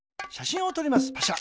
パシャ。